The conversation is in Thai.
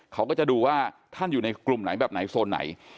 เขาก็จะดูว่าท่านอยู่ในกลุ่มไหนแบบไหนโซนไหน